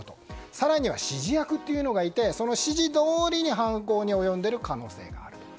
更には指示役というのがいてその指示どおりに犯行に及んでいる可能性がある。